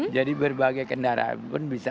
jadi berbagai kendaraan pun bisa